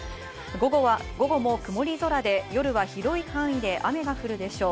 午後も、曇り空で夜は広い範囲で雨が降るでしょう。